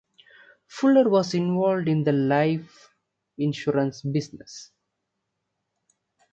Fuller was involved in the life insurance business.